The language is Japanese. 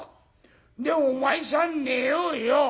で『お前さん寝ようよ』。